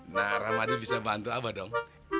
nah ramadhan bisa bantu abah dong